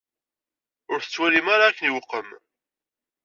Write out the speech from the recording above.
Ur tettwalim ara akken iqwem.